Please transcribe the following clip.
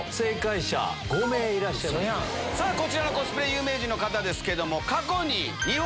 こちらのコスプレ有名人の方ですけど。